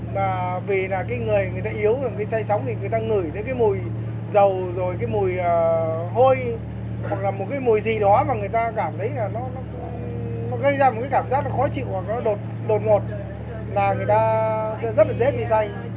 mà vì là cái người người ta yếu là cái say sóng thì người ta ngửi thấy cái mùi dầu rồi cái mùi hôi hoặc là một cái mùi gì đó mà người ta cảm thấy là nó gây ra một cái cảm giác nó khó chịu hoặc nó đột ngột là người ta sẽ rất là dễ bị say